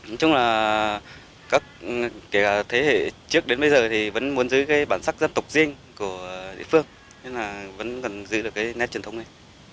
nói chung là các thế hệ trước đến bây giờ vẫn muốn giữ bản sắc dân tộc riêng của địa phương nên vẫn cần giữ được nét truyền thống này